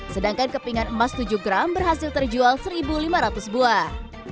sedangkan kepingan emas tujuh gram berhasil terjual satu lima ratus buah